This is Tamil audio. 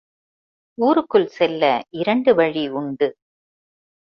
ஊருக்குள் செல்ல இரண்டு வழி உண்டு.